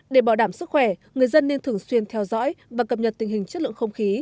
để bảo đảm sức khỏe người dân nên thường xuyên theo dõi và cập nhật tình hình chất lượng không khí